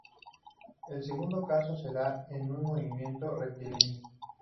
El segundo caso se da en un movimiento rectilíneo.